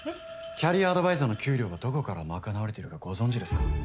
キャリアアドバイザーの給料はどこから賄われているかご存じですか？